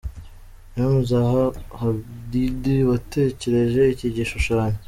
Mme Zaha Hadid, watekereje iki gishushanyo.